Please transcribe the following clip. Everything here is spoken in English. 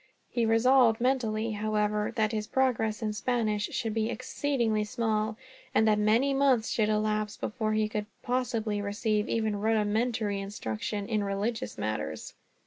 He resolved mentally, however, that his progress in Spanish should be exceedingly small; and that many months should elapse, before he could possibly receive even rudimentary instruction in religious matters.